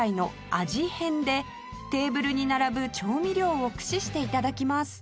変でテーブルに並ぶ調味料を駆使して頂きます